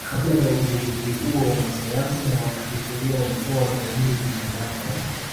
Kabla ya ugunduzi huo wanasayansi na wanahistoria walikuwa wakiamini binadamu wa